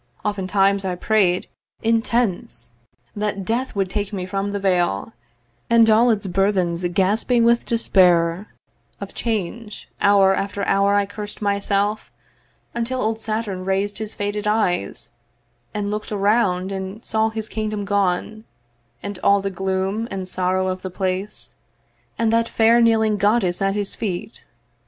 Oftentimes I pray'd Intense, that Death would take me from the vale And all its burthens gasping with despair Of change, hour after hour I curs'd myself; Until old Saturn rais'd his faded eyes, And look'd around and saw his kingdom gone, And all the gloom and sorrow of the place, And that fair kneeling Goddess at his feet.